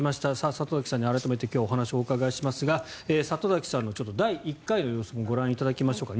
里崎さんに改めて今日お話をお伺いしますが里崎さんの第１回の様子もご覧いただきましょうか。